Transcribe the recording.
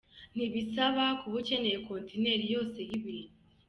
Ntibisaba kuba ukeneye kontineri yose y’ ibintu.